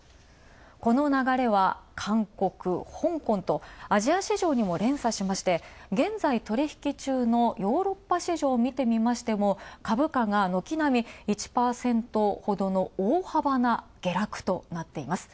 この流れは、韓国、香港とアジア市場にも連鎖しまして現在取引中のヨーロッパ市場を見てみましても、株価が軒並み１％ほどの大幅な下落となっています。